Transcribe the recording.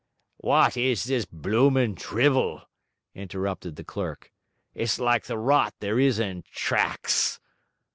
'Wot is this bloomin' drivel?' interrupted the clerk. 'It's like the rot there is in tracts.'